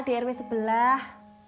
di rw sebelah